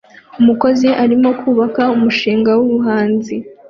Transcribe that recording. Umukozi arimo kubaka umushinga wubuhanzi